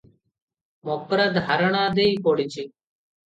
ମକ୍ରା ଧାରଣା ଦେଇ ପଡ଼ିଛି ।